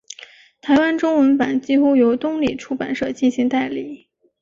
台湾中文版几乎由东立出版社进行代理。